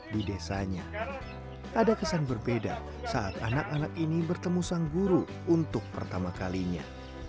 di desanya ada kesan berbeda saat anak anak ini bertemu sang guru untuk pertama kalinya